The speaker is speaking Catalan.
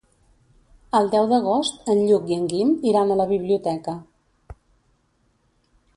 El deu d'agost en Lluc i en Guim iran a la biblioteca.